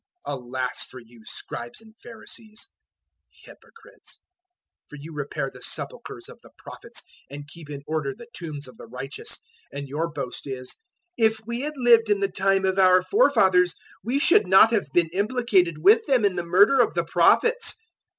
023:029 "Alas for you, Scribes and Pharisees, hypocrites, for you repair the sepulchres of the Prophets and keep in order the tombs of the righteous, 023:030 and your boast is, "`If we had lived in the time of our forefathers, we should not have been implicated with them in the murder of the Prophets.'